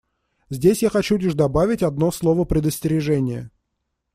Здесь я хочу лишь добавить одно слово предостережения.